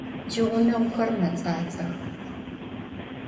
Тигъунэгъухэр мэцӏацӏэх.